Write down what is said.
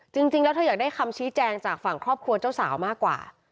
จริงแล้วเธออยากได้คำชี้แจงจากฝั่งครอบครัวเจ้าสาวมากกว่า